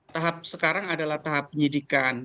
tahap sekarang adalah tahap penyidikan